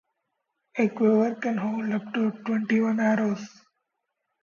A quiver can hold up to twenty one arrows.